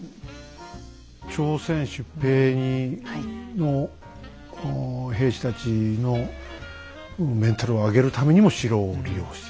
朝鮮出兵の兵士たちのメンタルを上げるためにも城を利用していたと。